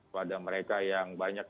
pada mereka yang banyak